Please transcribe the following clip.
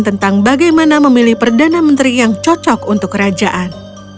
tentang bagaimana memilih perdana menteri yang cocok untuk kerajaan